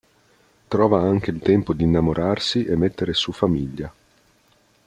Trova anche il tempo d'innamorarsi e mettere su famiglia.